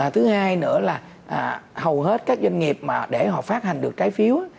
thứ hai nữa là hầu hết các doanh nghiệp mà để họ phát hành được trái phiếu